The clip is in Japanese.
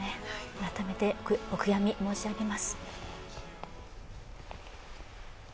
改めてお悔やみ申し上げます。